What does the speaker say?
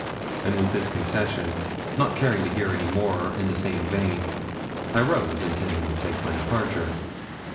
And with this concession, not caring to hear any more in the same vein, I rose, intending to take my departure.